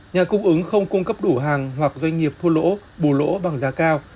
nhà cung ứng không cung cấp đủ hàng hoặc doanh nghiệp thua lỗ bù lỗ bằng giá cao